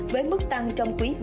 với mức tăng trong quý ba